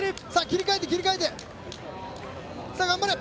切り替えて、切り替えて、頑張れ！